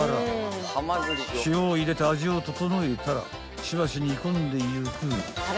［塩を入れて味を調えたらしばし煮込んでいく］